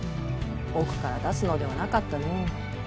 奥から出すのではなかったの。